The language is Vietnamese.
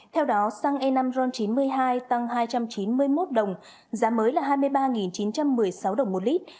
theo đó xăng e năm ron chín mươi hai tăng hai trăm chín mươi một đồng giá mới là hai mươi ba chín trăm một mươi sáu đồng một lít